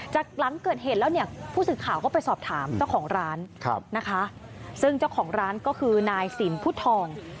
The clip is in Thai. หลังเกิดเหตุแล้วเนี่ยผู้สื่อข่าวก็ไปสอบถามเจ้าของร้านนะคะซึ่งเจ้าของร้านก็คือนายสินพุทธทอง